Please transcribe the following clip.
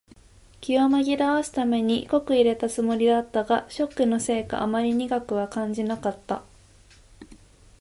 気を紛らわすために濃く淹れたつもりだったが、ショックのせいかあまり苦くは感じなかった。